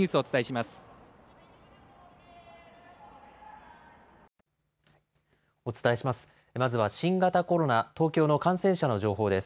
まずは新型コロナ、東京の感染者の情報です。